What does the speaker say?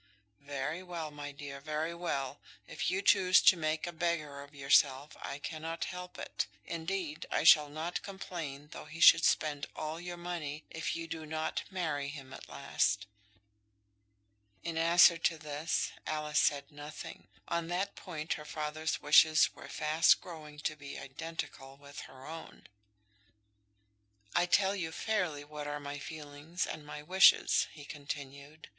"Very well, my dear; very well, If you choose to make a beggar of yourself, I cannot help it. Indeed, I shall not complain though he should spend all your money, if you do not marry him at last." In answer to this, Alice said nothing. On that point her father's wishes were fast growing to be identical with her own. "I tell you fairly what are my feelings and my wishes," he continued.